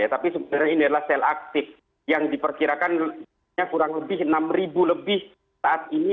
tapi sebenarnya ini adalah sel aktif yang diperkirakan kurang lebih enam lebih saat ini